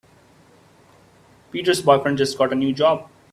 Peter's boyfriend just got a new job.